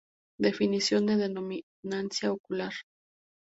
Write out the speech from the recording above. Definición de dominancia ocular